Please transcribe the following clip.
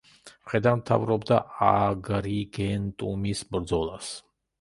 მხედართმთავრობდა აგრიგენტუმის ბრძოლას.